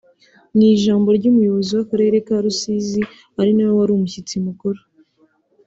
Mu ijambo ry’umuyobozi w’akarere ka Rusizi ari nawe wari umushyitsi mukuru